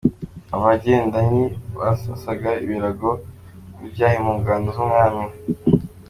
Abagendanyi : Basasaga ibirago n’ibyahi mu ngando z’ Umwami.